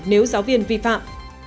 nếu giáo viên vi phạm